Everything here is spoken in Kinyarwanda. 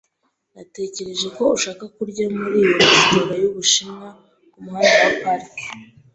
Natekereje ko ushaka kurya muri iyo resitora yubushinwa kumuhanda wa Park.